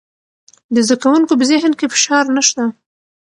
د زده کوونکو په ذهن کې فشار نشته.